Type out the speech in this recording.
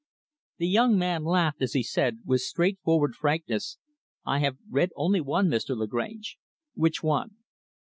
The young man laughed as he said, with straight forward frankness, "I have read only one, Mr. Lagrange." "Which one?"